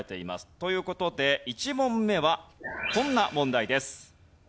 という事で１問目はこんな問題です。